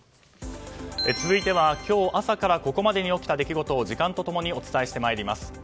続いては、今日朝からここまでに起きた出来事を時間と共にお伝えしてまいります。